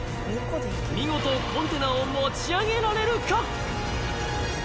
見事コンテナを持ち上げられるか